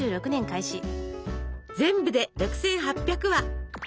全部で６，８００話！